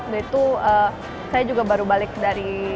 yaitu saya juga baru balik dari